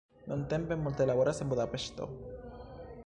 Nuntempe multe laboras en Budapeŝto.